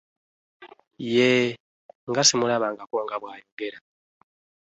Yee, nga simulabangako nga bw’ayogera.